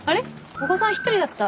お子さん１人だった？